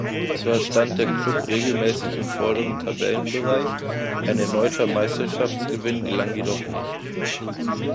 Zwar stand der Klub regelmäßig im vorderen Tabellenbereich, ein erneuter Meisterschaftsgewinn gelang jedoch nicht.